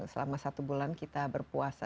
selama satu bulan kita berpuasa